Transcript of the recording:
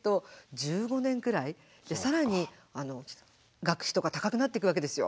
更に学費とか高くなっていくわけですよ。